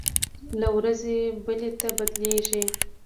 له ورځې بلې ته بدلېږي.